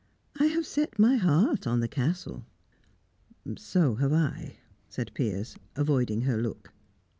"I have set my heart on the Castle." "So have I," said Piers, avoiding her look.